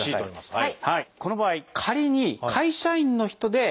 はい。